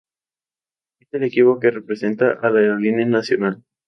Es el equipo que representa a la aerolínea nacional.